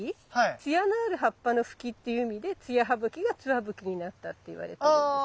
つやのある葉っぱのフキっていう意味で「つや葉ブキ」が「ツワブキ」になったっていわれてるんです。